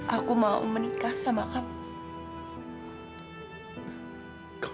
aku mau menikah sama kamu